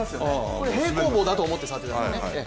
これ、平行棒だと思って触ってくださいね。